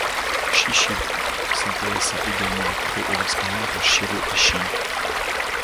Chichibu s'intéressa également de près aux expériences de Shiro Ishii.